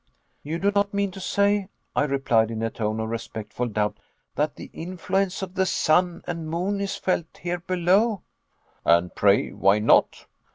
"You do not mean to say," I replied, in a tone of respectful doubt, "that the influence of the sun and moon is felt here below." "And pray why not?